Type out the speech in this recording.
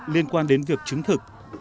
liên quan đến việc chứng thực